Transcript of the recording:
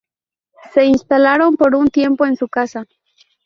Se instalaron por un tiempo en su casa.